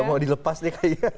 mau dilepas nih kayaknya